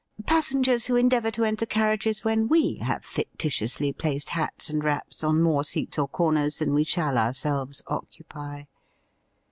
Passengers who endeavour to enter carriages when we have fictitiously placed hats and wraps on more seats or corners than we shall ourselves occupy.